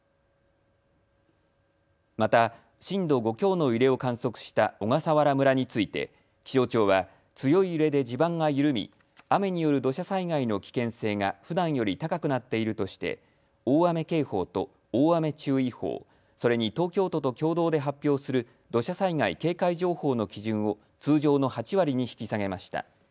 また震度５強の揺れを観測した小笠原村について気象庁は強い揺れで地盤が緩み雨による土砂災害の危険性がふだんより高くなっているとして大雨警報と大雨注意報、それに東京都と共同で発表する土砂災害警戒情報の基準を通常の８割に引き下げました。